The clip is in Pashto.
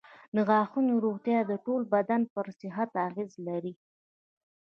د غاښونو روغتیا د ټول بدن پر صحت اغېز لري.